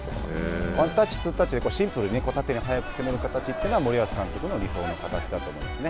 ワンタッチツータッチでシンプルで攻めていくというのが森保監督の理想の形だと思いますよね。